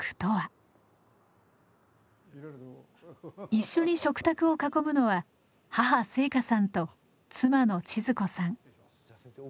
一緒に食卓を囲むのは母静香さんと妻の千鶴子さん。